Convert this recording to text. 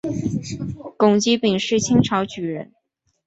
龚积柄是清朝举人。